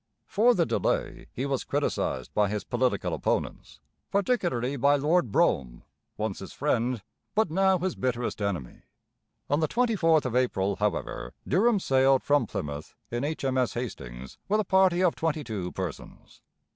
For the delay he was criticized by his political opponents, particularly by Lord Brougham, once his friend, but now his bitterest enemy. On the twenty fourth of April, however, Durham sailed from Plymouth in H.M.S. Hastings with a party of twenty two persons.